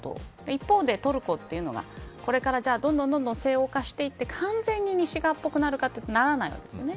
一方で、トルコというのがこれからどんどん西欧化していって完全に西側っぽくはならないわけです。